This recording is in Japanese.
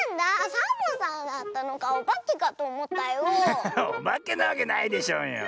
ハハハおばけなわけないでしょうよ。